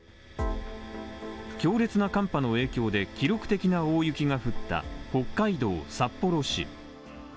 強烈な寒波の影響で、記録的な大雪が降った、北海道札幌市。